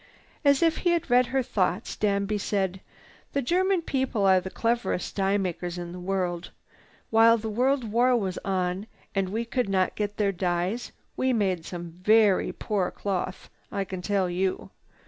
As if he had read her thoughts, Danby said: "The German people are the cleverest dye makers in the world. While the World War was on and we could not get their dyes, we made some very poor cloth I can tell you.